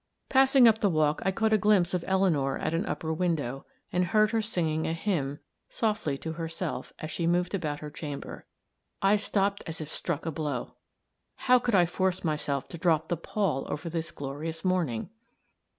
Passing up the walk, I caught a glimpse of Eleanor at an upper window, and heard her singing a hymn, softly to herself, as she moved about her chamber. I stopped as if struck a blow. How could I force myself to drop the pall over this glorious morning?